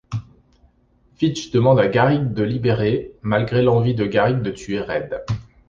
Fitch demande à Garrick de libérer, malgré l'envie de Garrick de tuer Red.